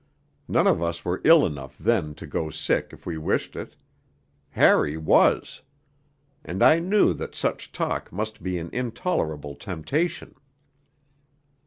None of us were ill enough then to go sick if we wished it. Harry was. And I knew that such talk must be an intolerable temptation.